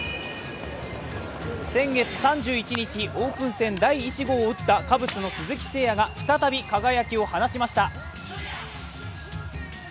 先月３１日にオープン戦第１号を打った鈴木誠也が再び輝きを放ちました。